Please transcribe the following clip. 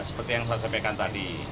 seperti yang saya sampaikan tadi